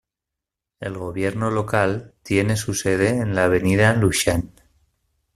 El gobierno local tiene su sede en la avenida Lushan.